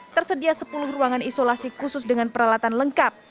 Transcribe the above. tersedia sepuluh ruangan isolasi khusus dengan peralatan lengkap